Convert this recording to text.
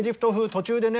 途中でね